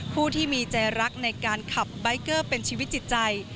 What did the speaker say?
ผู้ที่มีใจรักในการขับใบเกอร์เป็นชีวิตจิตใจ